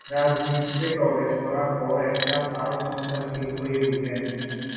রাজনীতিতে প্রবেশ করার পর এরশাদ আরো ক্ষমতাশালী হয়ে উঠেন।